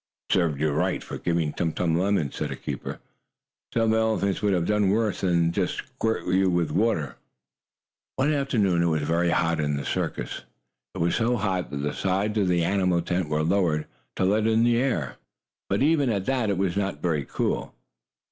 "It served you right, for giving Tum Tum lemons," said a keeper. "Some elephants would have done worse than just to squirt water on you." One afternoon it was very hot in the circus. It was so hot that the sides of the animal tent were lowered to let in the air, but, even at that it was not very cool.